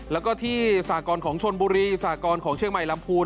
แล้วก็ที่สากรของชนบุรีสากรของเชียงใหม่ลำพูน